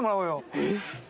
えっ？